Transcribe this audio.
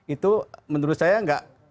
itu menurut saya nggak